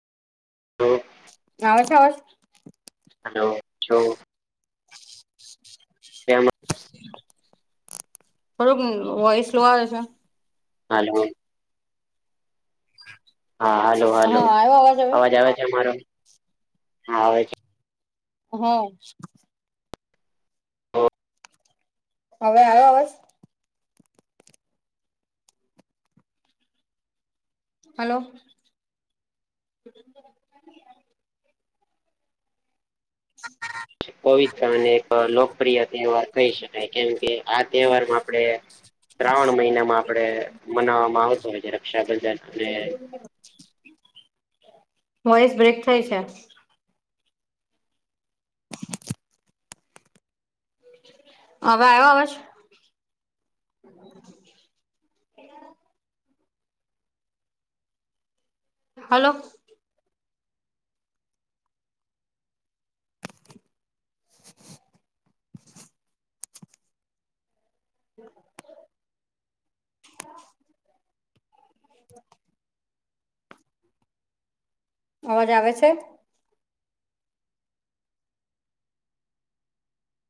[unintelligible] આવે છે અવાજ હલો લો એમાં થોડુંક વોઈસ લો આવે છે. [unintelligible] [unintelligible] હા હાલો હાલો હા આવ્યો હવે? અવાજ આવે છે અમારો હા આવે છે. હમ્મ. તો હવે આયો અવાજ હલો પવિત્ર અને એક લોકપ્રિય તહેવાર કહી શકાય કેમ કે આ તહેવારમાં આપણે શ્રાવણ મહિનામાં આપડે મનાવવામાં આવતો હોય છે રક્ષાબંધન અને વોઇસ બ્રેક થઈ છે. હવે [inaudible] હવે આયો અવાજ [inaudible] હલો અવાજ આવેે છે?